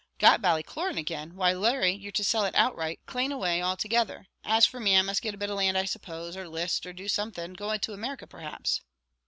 "Got Ballycloran again! why Larry, you're to sell it outright; clane away altogether. As for me, I must get a bit of land, I suppose, or 'list, or do something; go to America, perhaps."